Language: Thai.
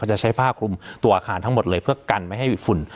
จะใช้ผ้าคลุมตัวอาคารทั้งหมดเลยเพื่อกันไม่ให้ฝุ่น